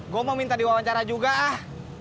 gue mau minta di wawancara juga ah